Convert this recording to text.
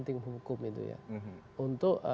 tim hukum itu ya untuk